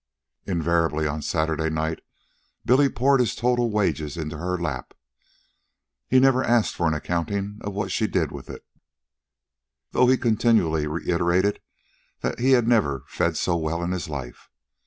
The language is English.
Invariably, on Saturday night, Billy poured his total wages into her lap. He never asked for an accounting of what she did with it, though he continually reiterated that he had never fed so well in his life.